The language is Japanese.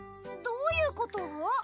どういうこと？